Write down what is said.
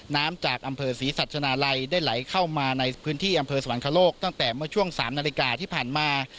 น้ำจากอำเภอศรีสัชนาลัยได้ไหลเข้ามาในพื้นที่อำเภอสวรรคโลกตั้งแต่เมื่อช่วง๓นาฬิกาที่ผ่านมา